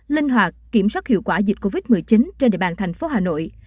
linh hoạt kiểm soát hiệu quả dịch covid một mươi chín trên địa bàn thành phố hà nội